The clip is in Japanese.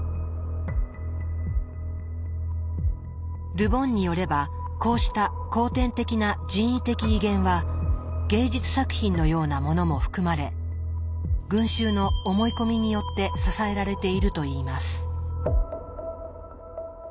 ル・ボンによればこうした後天的な人為的威厳は芸術作品のようなものも含まれ群衆の思い込みによって支えられているといいます。